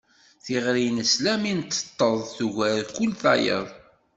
Tiɣri nesla mi nteṭṭeḍ, tugar kul tayeḍ.